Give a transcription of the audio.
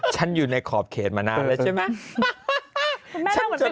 ฉันอยู่ในขอบเขตมานานแล้วใช่ไหม